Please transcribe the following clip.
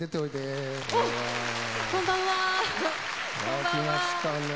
ああ来ましたね。